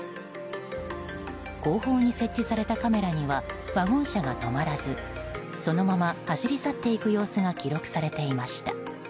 後方に設置されたカメラにはワゴン車が止まらずそのまま走り去っていく様子が記録されていました。